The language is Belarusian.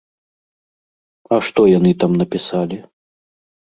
А што яны там напісалі?